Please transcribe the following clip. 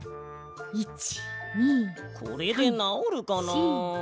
これでなおるかな？